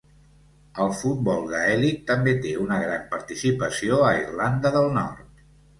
El futbol gaèlic també té una gran participació a Irlanda del Nord.